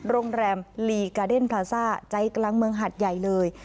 โรงแรมลีกาเดนพลาซ่าใจกลางเมืองหัดใหญ่เลย